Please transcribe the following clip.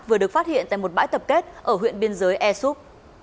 vừa được phát hiện tại một bãi tập kết ở huyện biên giới e xúc